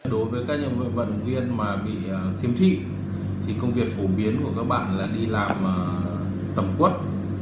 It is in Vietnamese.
đối với các vận động viên mà bị khiếm thị công việc phổ biến của các bạn là đi làm tẩm quất